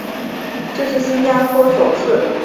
这是新加坡首次参加冬季奥林匹克运动会。